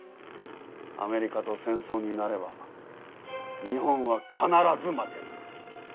アメリカと戦争になれば日本は必ず負ける。